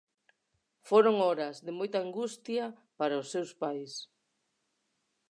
Foron horas de moita angustia para os seus pais.